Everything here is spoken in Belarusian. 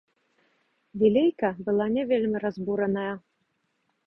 Вілейка была не вельмі разбураная.